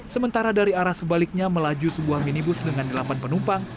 sementara dari arah sebaliknya melaju sebuah minibus dengan delapan penumpang